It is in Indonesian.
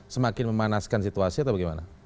semakin memanaskan situasi atau bagaimana